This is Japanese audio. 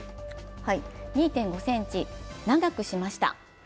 ２．５ｃｍ長くしました。